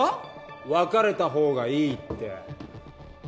別れた方がいいって。